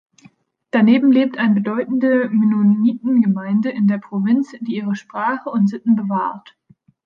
Daneben lebt eine bedeutende Mennoniten-Gemeinde in der Provinz, die ihre Sprache und Sitten bewahrt.